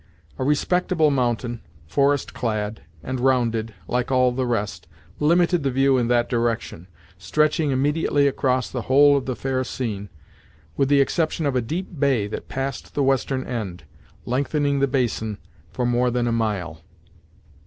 A respectable mountain, forest clad, and rounded, like all the rest, limited the view in that direction, stretching immediately across the whole of the fair scene, with the exception of a deep bay that passed the western end, lengthening the basin, for more than a mile.